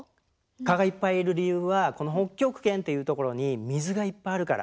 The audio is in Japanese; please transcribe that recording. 蚊がいっぱいいる理由はこの北極圏っていう所に水がいっぱいあるから。